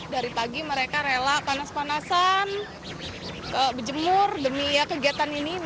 dari pagi mereka rela panas panasan berjemur demi kegiatan ini